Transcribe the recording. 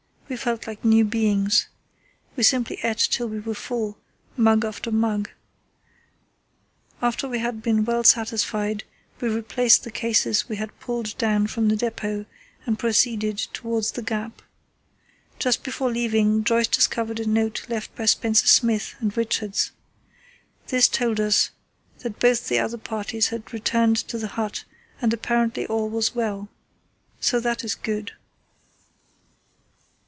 We felt like new beings. We simply ate till we were full, mug after mug. After we had been well satisfied, we replaced the cases we had pulled down from the depot and proceeded towards the Gap. Just before leaving Joyce discovered a note left by Spencer Smith and Richards. This told us that both the other parties had returned to the Hut and apparently all was well. So that is good.